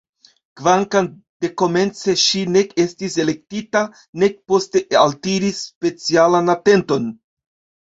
Kvankam dekomence ŝi nek estis elektita nek poste altiris specialan atenton.